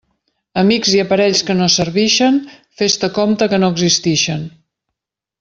Amics i aparells que no servixen, fes-te compte que no existixen.